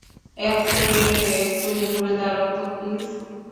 এক সেকেন্ড একটু ঘুরে দাঁড়াও তো প্লিজ?